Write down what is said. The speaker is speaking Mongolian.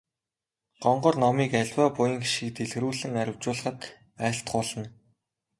Гонгор номыг аливаа буян хишгийг дэлгэрүүлэн арвижуулахад айлтгуулна.